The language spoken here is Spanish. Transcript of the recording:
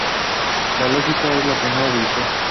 La Lógica es la primera división.